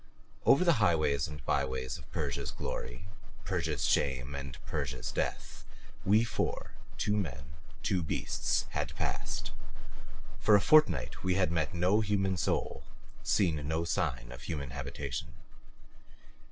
Over the highways and byways of Persia's glory, Persia's shame and Persia's death we four two men, two beasts had passed. For a fortnight we had met no human soul, seen no sign of human habitation.